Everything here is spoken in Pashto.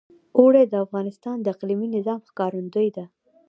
اوړي د افغانستان د اقلیمي نظام ښکارندوی ده.